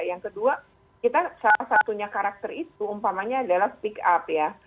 yang kedua kita salah satunya karakter itu umpamanya adalah speak up ya